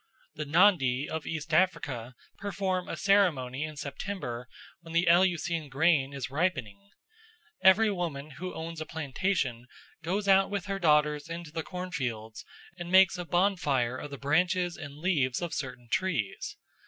The Nandi of East Africa perform a ceremony in September when the eleusine grain is ripening. Every woman who owns a plantation goes out with her daughters into the cornfields and makes a bonfire of the branches and leaves of certain trees.